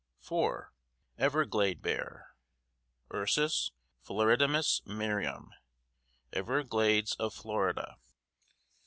4. EVERGLADE BEAR: Ursus floridanus Merriam. Everglades of Florida.